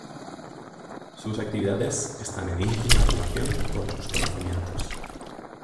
Sus actividades están en íntima relación con sus conocimientos.